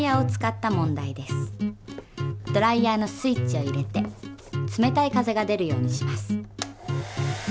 ドライヤーのスイッチを入れて冷たい風が出るようにします。